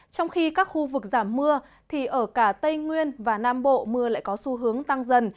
trong khi các khu vực giảm mưa thì ở cả tây nguyên và nam bộ mưa lại có xu hướng tăng dần